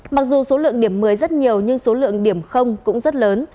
mặc dù số lượng điểm một mươi rất nhiều nhưng số lượng điểm cũng rất lớn